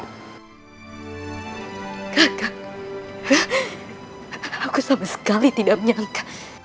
aku sama sekali tidak menyangka